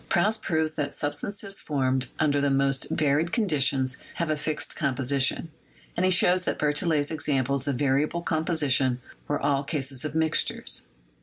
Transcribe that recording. Proust proves that substances formed under the most varied conditions have a fixed composition, and he shows that Berthollet's examples of variable composition were all cases of mixtures.